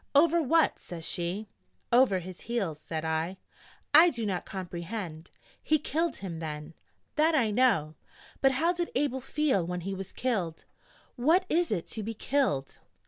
'Over what?' says she. 'Over his heels,' said I. 'I do not complehend!' 'He killed him, then.' 'That I know. But how did Abel feel when he was killed? What is it to be killed?'